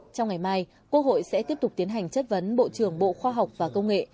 trong ngày mai quốc hội sẽ tiếp tục tiến hành chất vấn bộ trưởng bộ khoa học và công nghệ